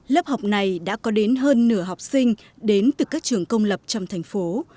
lớp học này đã có đến hơn nửa học sinh đến từ các trường công lập trong thành phố